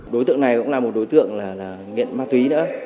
đối tượng này cũng là một đối tượng nghiện ma túy nữa